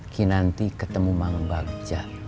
kinanti ketemu mang bagja